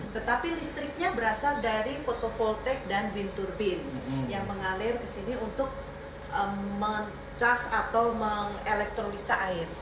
tetapi listriknya berasal dari fotovoltaik dan wind turbine yang mengalir ke sini untuk mengecas atau mengelektrolisa air